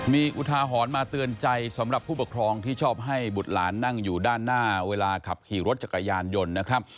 มีอุทาหรณ์มาเตือนใจสำหรับผู้ปกครองที่ชอบให้บุตรหลานนั่งอยู่ด้านหน้าเวลาขับขี่รถจักรยานยนต์นะครับ